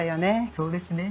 そうですね。